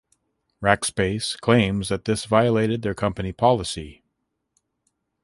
Rackspace claims that this violated their company policy.